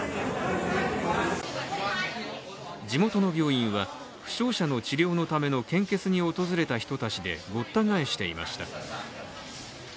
地元の病院は、負傷者の治療のための献血に訪れた人たちでごった返していました。